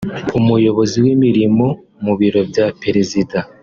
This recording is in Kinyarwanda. umuyobozi w’imirimo mu biro bya perezida